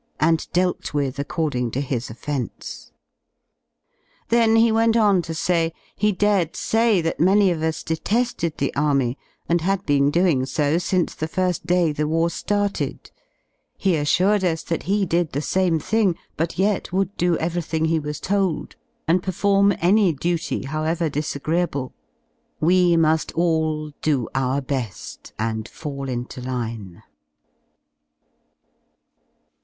a7id dealt with according to his offence. Then he went on to say, he dared say that many of us dete^ed the Army and had been doing so since the fir^ day the war Parted. He assured us that he did the same thing, but yet would do everything he was told, and perform any duty however disagreeable; we muft all dolt out be^ and fall into line.